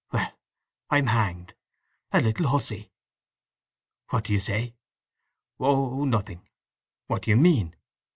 "Well—I'm hanged! A little hussy!" "What do you say?" "Oh—nothing!" "What do you mean?"